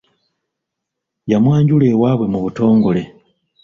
Yamwanjula ewaabwe mu butongole.